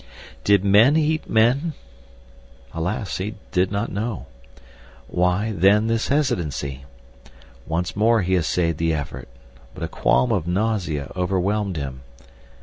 Did men eat men? Alas, he did not know. Why, then, this hesitancy! Once more he essayed the effort, but a qualm of nausea overwhelmed him.